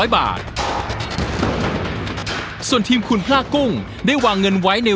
๑๑๒๐๐บาทส่วนที่ลูกคุณพลากุ้งได้วางเงินไว้ใน